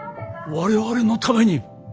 我々のために。